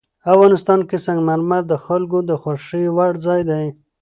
افغانستان کې سنگ مرمر د خلکو د خوښې وړ ځای دی.